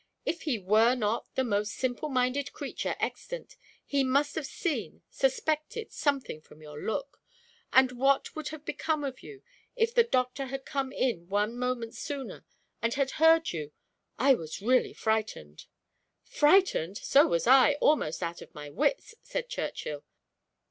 If he were not the most simple minded creature extant, he must have seen, suspected, something from your look; and what would have become of you if the doctor had come in one moment sooner, and had heard you I was really frightened." "Frightened! so was I, almost out of my wits," said Churchill.